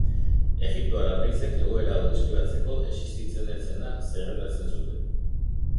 Egiptoar apaizek, egoera hau deskribatzeko, existitzen ez zena zerrendatzen zuten.